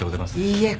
いいえ。